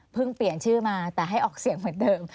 เปลี่ยนชื่อมาแต่ให้ออกเสียงเหมือนเดิม